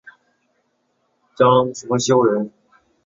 张懋修人。